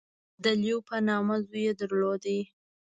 • د لیو په نامه زوی یې درلود.